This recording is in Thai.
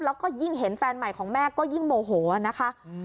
แล้วก็ยิ่งเห็นแฟนใหม่ของแม่ก็ยิ่งโมโหนะคะ